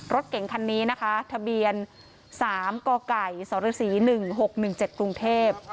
รถเก่งคันนี้นะคะทะเบียน๓กไก่สรศรี๑๖๑๗กรุงเทพ